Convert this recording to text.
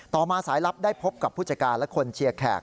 มาสายลับได้พบกับผู้จัดการและคนเชียร์แขก